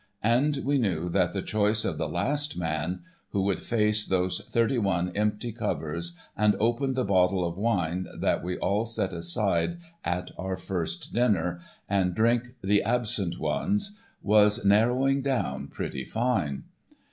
And we knew that the choice of the last man,—who would face those thirty one empty covers and open the bottle of wine that we all set aside at our first dinner, and drink 'The Absent Ones,'—was narrowing down pretty fine.